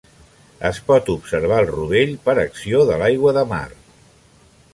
Es pot observar el rovell per acció de l'aigua de mar.